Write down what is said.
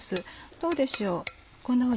どうでしょう